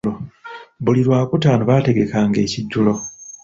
Buli lwakutaano baategekanga ekijjulo.